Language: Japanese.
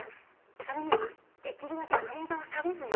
それにできるだけグレードは下げずに。